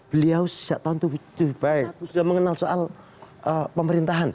beliau setahun itu sudah mengenal soal pemerintahan